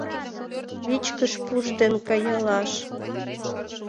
Вичкыж пуш ден каялаш